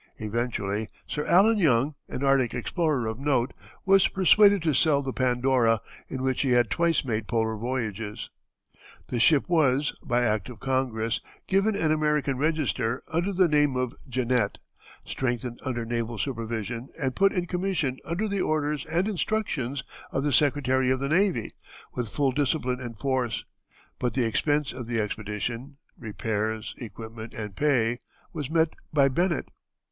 Eventually Sir Allen Young, an Arctic explorer of note, was persuaded to sell the Pandora, in which he had twice made polar voyages. The ship was, by Act of Congress, given an American register under the name of Jeannette, strengthened under naval supervision, and put in commission under the orders and instructions of the Secretary of the Navy, with full discipline in force; but the expense of the expedition repairs, equipment, and pay was met by Bennett.